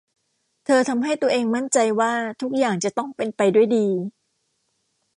เธอทำให้ตัวเองมั่นใจว่าทุกอย่างจะต้องเป็นไปด้วยดี